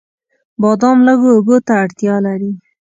بادام لږو اوبو ته اړتیا لري.